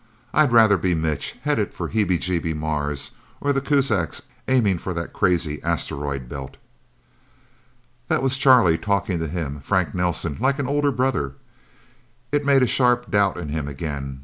I'd rather be Mitch, headed for heebie jeebie Mars, or the Kuzaks, aiming for the crazy Asteroid Belt." That was Charlie, talking to him Frank Nelsen like an older brother. It made a sharp doubt in him, again.